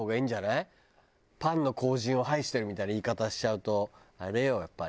パンの後塵を拝してるみたいな言い方しちゃうとあれよやっぱり。